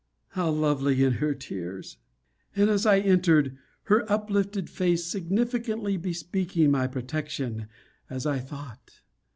How lovely in her tears! And as I entered, her uplifted face significantly bespeaking my protection, as I thought.